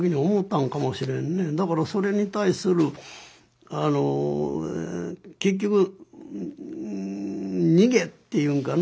だからそれに対する結局逃げっていうんかな。